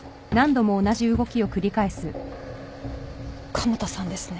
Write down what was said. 加茂田さんですね。